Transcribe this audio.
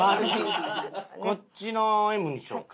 こっちの「Ｍ」にしようか。